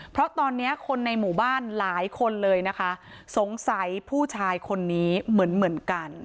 เพราะตอนนี้คนในหมู่บ้านหลายคนเลยนะคะสงสัยผู้ชายคนนี้เหมือนเหมือนกัน